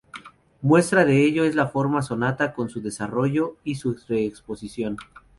Muestra de ello es la forma sonata con su desarrollo y su reexposición.